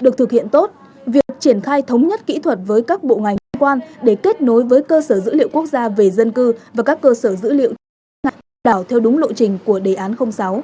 được thực hiện tốt việc triển khai thống nhất kỹ thuật với các bộ ngành liên quan để kết nối với cơ sở dữ liệu quốc gia về dân cư và các cơ sở dữ liệu đảo theo đúng lộ trình của đề án sáu